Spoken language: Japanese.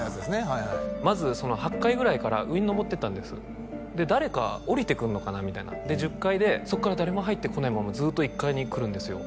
はいはいまず８階ぐらいから上に昇っていったんですで誰かおりてくるのかなみたいな１０階でそっから誰も入ってこないままずっと１階に来るんですよ